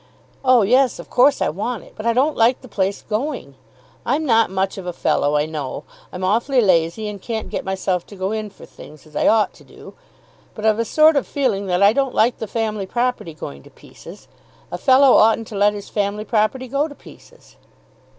"Oh yes. Of course I want it. But I don't like the place going. I'm not much of a fellow, I know. I'm awfully lazy and can't get myself to go in for things as I ought to do; but I've a sort of feeling that I don't like the family property going to pieces. A fellow oughtn't to let his family property go to pieces."